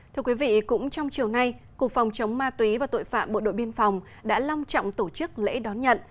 thưa quý vị cũng trong chiều nay cục phòng chống ma túy và tội phạm bộ đội biên phòng đã long trọng tổ chức lễ đón nhận